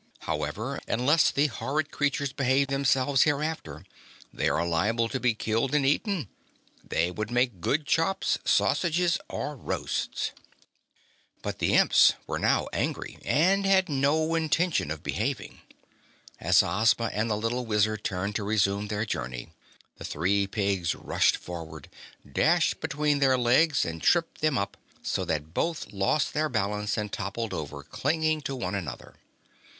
However, unless the horrid creatures behave themselves hereafter, they are liable to be killed and eaten. They would make good chops, sausages or roasts." But the Imps were now angry and had no intention of behaving. As Ozma and the little Wizard turned to resume their journey, the three pigs rushed forward, dashed between their legs, and tripped them up, so that both lost their balance and toppled over, clinging to one another.